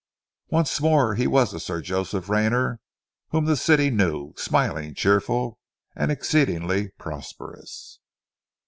Once more he was the Sir Joseph Rayner, whom the city knew, smiling, cheerful, and exceeding prosperous.